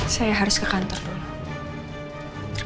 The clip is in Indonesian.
saya harus ke kantor dulu